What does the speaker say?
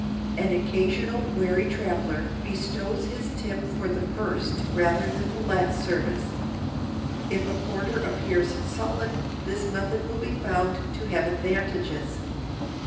An occasional wary traveler bestows his tip for the first rather than the last service asked. If a porter appears sullen this method will be found to have advantages.